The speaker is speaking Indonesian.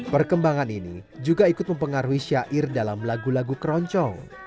perkembangan ini juga ikut mempengaruhi syair dalam lagu lagu keroncong